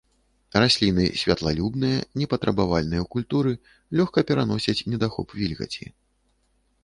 Расліны святлалюбныя, непатрабавальныя ў культуры, лёгка пераносяць недахоп вільгаці.